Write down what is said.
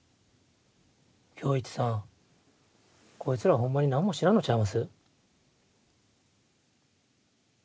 恭一さんこいつらほんまになんも知らんのちゃいます？